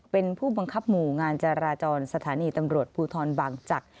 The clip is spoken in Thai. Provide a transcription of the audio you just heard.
เป็นผู้บังคับหมู่งานจราจรสถานีตำรวจภูทรบางจักร